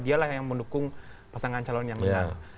dialah yang mendukung pasangan calon yang menang